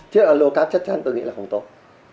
chất allocarp chắc chắn tôi nghĩ là không tốt